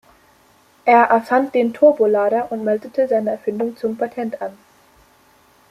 Er erfand den Turbolader und meldete seine Erfindung zum Patent an.